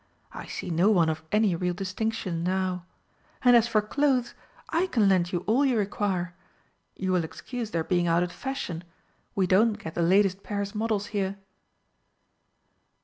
I see no one of any real distinction now! And as for clothes, I can lend you all you require. You will excuse their being out of the fashion we don't get the latest Paris models here."